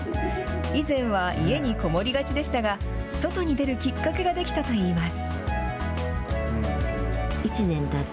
以前は家にこもりがちでしたが、外に出るきっかけが出来たといいます。